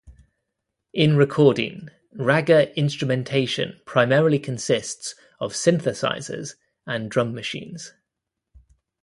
In recording, ragga instrumentation primarily consists of synthesizers and drum machines.